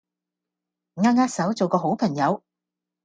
扼扼手做個好朋友